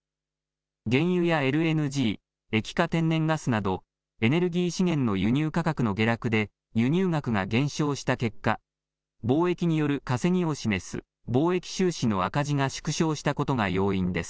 原油やＬＮＧ、液化天然ガスなどエネルギー資源の輸入価格の下落で輸入額が減少した結果貿易による稼ぎを示す貿易収支の赤字が縮小したことが要因です。